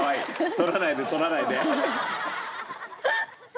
取らないで取らないで。